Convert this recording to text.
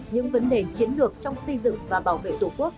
những vấn đề chiến lược trong xây dựng và bảo vệ tổ quốc